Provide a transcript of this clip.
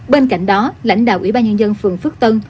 bên cạnh đó lãnh đạo ủy ban nhân dân phường phước tân